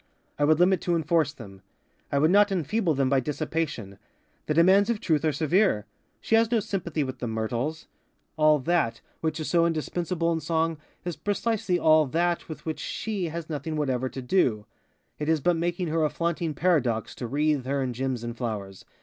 I would limit to enforce them. I would not enfeeble them by dissipation. The demands of Truth are severe. She has no sympathy with the myrtles. All _that _which is so indispensable in Song is precisely all _that _with which _she _has nothing whatever to do. It is but making her a flaunting paradox to wreathe her in gems and flowers.